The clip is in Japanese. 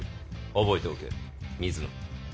覚えておけ水野。